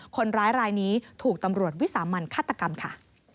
คนร้ายรายนี้ถูกตำรวจวิสามันฆาตกรรมค่ะ